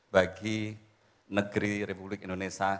bagi negeri republik indonesia